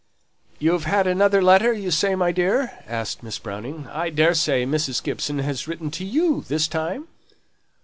"You've had another letter, you say, my dear?" asked Miss Browning. "I daresay Mrs. Gibson has written to you this time?"